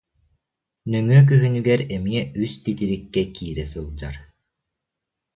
Нөҥүө күһүнүгэр эмиэ үс титириккэ киирэ сылдьар